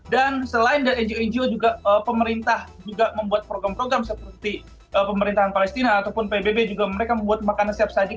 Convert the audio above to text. dan selain dari ngo ngo juga pemerintah juga membuat program program seperti pemerintahan palestina ataupun pbb juga mereka membuat makanan siap saji